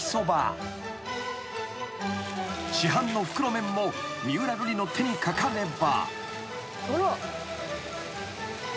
［市販の袋麺も三浦瑠麗の手に掛かれば］